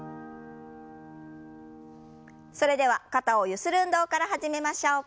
それでは肩をゆする運動から始めましょう。